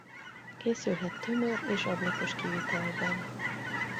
Készülhet tömör és ablakos kivitelben.